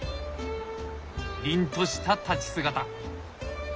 りんとした立ち姿！